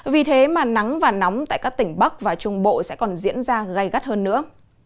vì thế mà nắng và nóng tại các tỉnh bắc và trung bộ sẽ còn diễn ra gai gắt hơn nữa